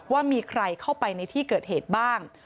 ว่ามีใครเข้าไปในที่เกิดเหตุบ้าง